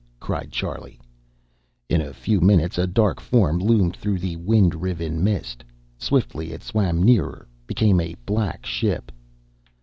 cried Charlie. In a few minutes a dark form loomed through the wind riven mist. Swiftly it swam nearer; became a black ship.